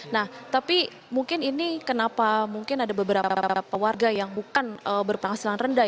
nah tapi mungkin ini kenapa mungkin ada beberapa warga yang bukan berpenghasilan rendah